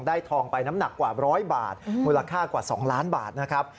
ทองไปน้ำหนักกว่า๑๐๐บาทมูลค่ากว่า๒ล้านบาทนะครับ